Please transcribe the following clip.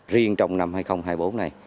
riêng trong năm hai nghìn hai mươi bốn này